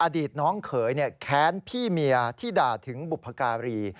อดีตน้องเขยแค้นพี่เมียที่ด่าถึงบุพการี